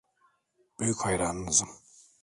Büyük hayranınızım.